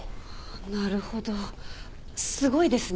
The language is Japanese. なるほどすごいですね。